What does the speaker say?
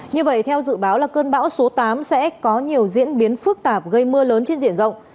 như vậy theo dự báo là cơn bão số tám sẽ có nhiều diễn biến phức tạp gây mưa lớn trên diện rộng